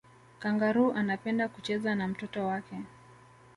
kangaroo anapenda kucheza na mtoto wake